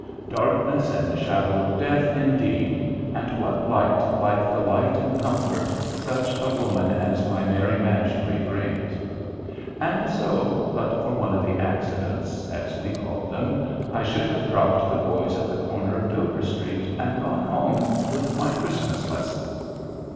"Darkness and the shadow of death" indeed, and what light like the light and comfort such a woman as my Mary Masury brings! And so, but for one of the accidents, as we call them, I should have dropped the boys at the corner of Dover Street, and gone home with my Christmas lesson.